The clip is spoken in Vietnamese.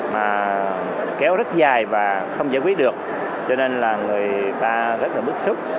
mà kéo rất dài và không giải quyết được cho nên là người ta rất là bức xúc